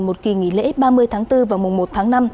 một kỳ nghỉ lễ ba mươi tháng bốn và mùa một tháng năm